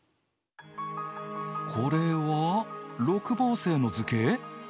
これは六ぼう星の図形？